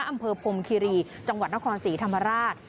อำเภอพรมคิรีจังหวัดนครศรีธรรมราช